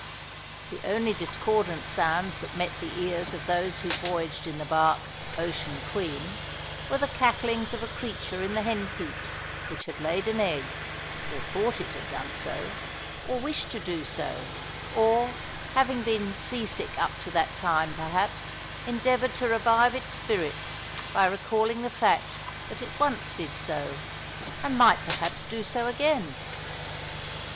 The only discordant sounds that met the ears of those who voyaged in the bark Ocean Queen were the cacklings of a creature in the hen coops which had laid an egg, or thought it had done so, or wished to do so, or, having been sea sick up to that time, perhaps, endeavoured to revive its spirits by recalling the fact that it once did so, and might perhaps do so again!